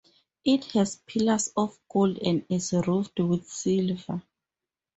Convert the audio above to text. It has pillars of gold and is roofed with silver.